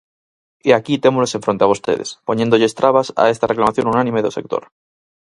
E aquí témolos enfronte a vostedes, poñéndolles trabas a esta reclamación unánime do sector.